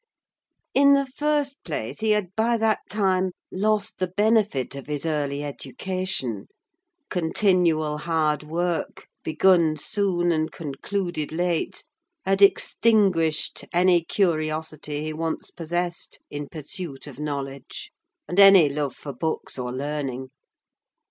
In the first place, he had by that time lost the benefit of his early education: continual hard work, begun soon and concluded late, had extinguished any curiosity he once possessed in pursuit of knowledge, and any love for books or learning.